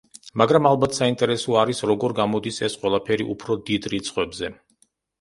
მაგრამ ალბათ საინტერესო არის, როგორ გამოდის ეს ყველაფერი უფრო დიდ რიცხვებზე.